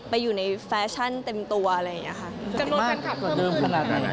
ไปอยู่ในแฟชั่นเต็มตัวอะไรอย่างนี้ค่ะ